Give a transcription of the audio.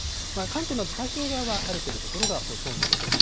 関東など太平洋側は晴れてる所がほとんどです。